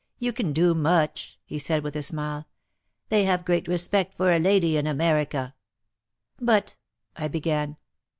"You can do much," he said with a smile. "They have great re spect for a lady in America." "But " I began.